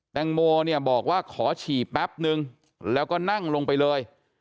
แตงโมเนี่ยบอกว่าขอฉี่แป๊บนึงแล้วก็นั่งลงไปเลย